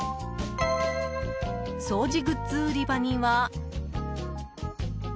掃除グッズ売り場には。